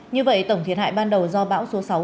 như vậy tổng thiệt hại ban đầu do bão số sáu